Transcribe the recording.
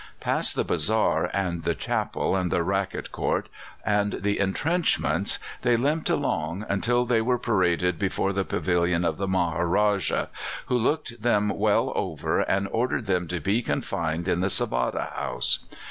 Past the bazaar and the chapel and the racquet court and the entrenchments they limped along, until they were paraded before the pavilion of the Maharajah, who looked them well over, and ordered them to be confined in the Savada House.